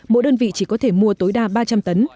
mỗi đơn vị chỉ có thể mua tối đa ba trăm linh tấn